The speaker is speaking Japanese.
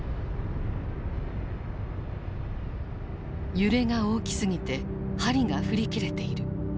揺れが大きすぎて針が振り切れている。